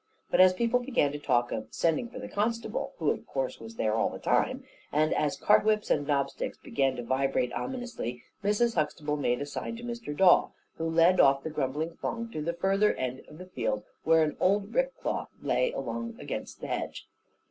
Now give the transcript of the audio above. But as people began to talk of "sending for the constable" (who, of course was there all the time), and as cart whips and knob sticks began to vibrate ominously, Mrs. Huxtable made a signal to Mr. Dawe, who led off the grumbling throng to the further end of the field, where an old rick cloth lay along against the hedge.